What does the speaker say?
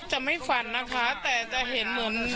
จะไม่ฝันนะคะแต่จะเห็นเหมือน